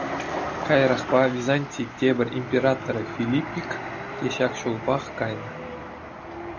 Каярахпа Византи тепӗр императорӗ Филиппик те ҫак ҫулпах кайнӑ.